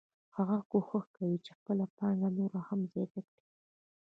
هغه کوښښ کوي چې خپله پانګه نوره هم زیاته کړي